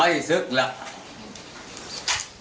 ไหวสึกแล้ว